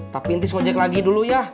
tapi intis mau jek lagi dulu ya